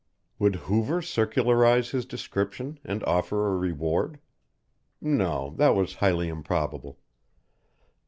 Would Hoover circularise his description and offer a reward? No, that was highly improbable.